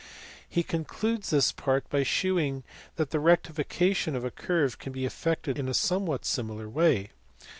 He concludes this part by shewing that the rectification of a curve can be effected in a somewhat similar way.